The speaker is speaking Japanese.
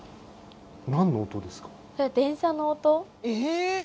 何の音ですか？